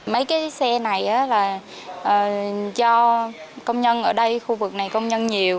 mấy cái xe này là cho công nhân ở đây khu vực này công nhân nhiều